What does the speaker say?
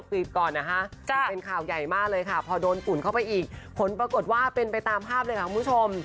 คือเป็นข่าวใหญ่มากเลยค่ะพอโดนฝุ่นเข้าไปอีกผลปรากฏว่าเป็นไปตามภาพเลยค่ะคุณผู้ชม